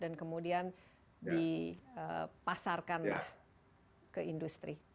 dan kemudian dipasarkan ke industri